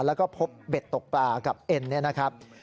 แล้วก็พบเบ็ดตกปลากับเอ็นเนี่ยนะครับ